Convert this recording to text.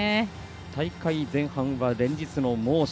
大会前半は連日の猛暑。